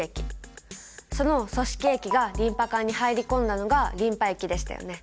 その組織液がリンパ管に入り込んだのがリンパ液でしたよね。